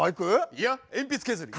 いや鉛筆削り。